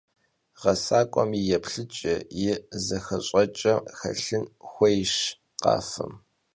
Ğesak'uem yi yêplhıç'e, yi zıxeş'eç'e xelhın xuêyş khafem.